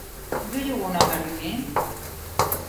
Do You Wanna Marry Me?